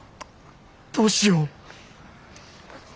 どうしよう。